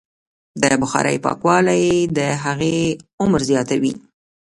د بخارۍ پاکوالی د هغې عمر زیاتوي.